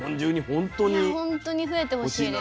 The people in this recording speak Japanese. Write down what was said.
本当に増えてほしいです。